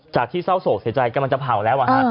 ที่เศร้าโศกเสียใจกำลังจะเผาแล้ว